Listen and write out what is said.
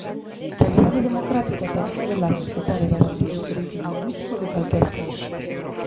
Calidade democrática tamén é velar, respectar e garantir os dereitos lingüísticos de calquera pobo.